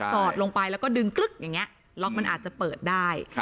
สอดลงไปแล้วก็ดึงกรึ๊กอย่างนี้ล็อกมันอาจจะเปิดได้